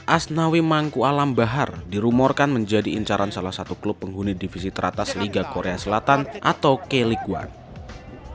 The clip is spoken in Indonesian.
asnawi mangku alambahar dirumorkan menjadi incaran salah satu klub penghuni divisi teratas liga korea selatan atau k league one